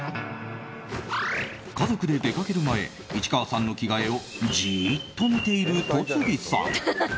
家族で出かける前市川さんの着替えをじーっと見ている戸次さん。